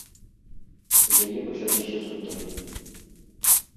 У яе пачаліся сутаргі.